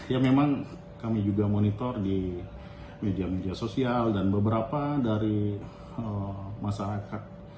ya memang kami juga monitor di media media sosial dan beberapa dari masyarakat